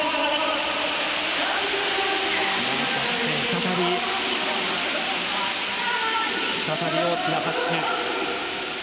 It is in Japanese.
そして再び大きな拍手。